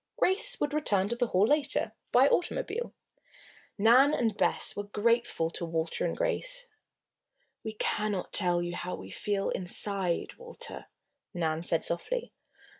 Grace would return to the Hall later, by automobile. Nan and Bess were grateful to Walter and Grace. "We cannot tell you how we feel, inside, Walter," Nan said softly.